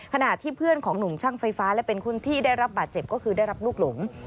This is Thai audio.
ขณะที่เพื่อนของหนุ่มช่างไฟฟ้าและเป็นคนที่ได้รับบาดเจ็บก็คือได้รับลูกหลง